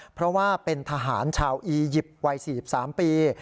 เพราะว่าเป็นทหารชาวอียิปต์วัย๔๓ปี